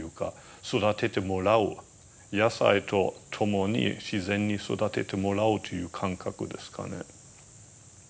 野菜と共に自然に育ててもらうという感覚ですかね。